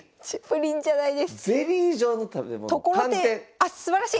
あっすばらしい！